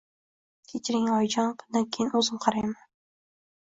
Kechiring, oyijon bundan keyin o`zim qarayman